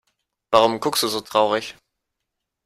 Warum guckst du so traurig?